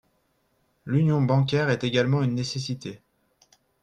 L’union bancaire est également une nécessité.